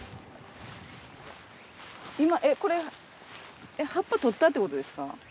今えっこれ葉っぱ取ったってことですか？